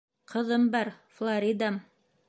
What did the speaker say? Ҡыҙым бар, Флоридам...